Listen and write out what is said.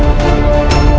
dari unsur alam